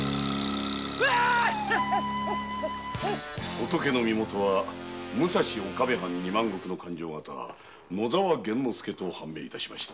仏の身元は岡部藩の勘定方野沢源之助と判明致しました。